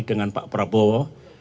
dengan pak prabowo